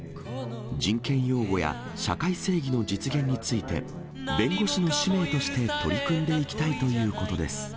人権擁護や社会正義の実現について弁護士の使命として取り組んでいきたいということです。